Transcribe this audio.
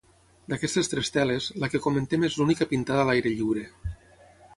D'aquestes tres teles, la que comentem és l'única pintada a l'aire lliure.